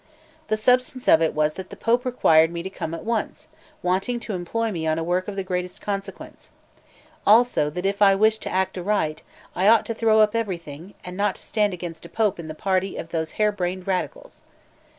The substance of it was that the Pope required me to come at once, wanting to employ me on work of the greatest consequence; also that if I wished to act aright, I ought to throw up everything, and not to stand against a Pope in the party of those hare brained Radicals.